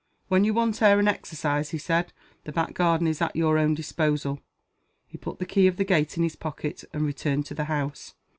"When you want air and exercise," he said, "the back garden is at your own disposal." He put the key of the gate in his pocket and returned to the house.